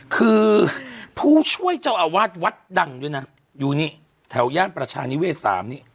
คือผู้ช่วยเจ้าอาวาสวัดดังด้วยนะอยู่นี่แถวย่านประชานิเวศ๓นี่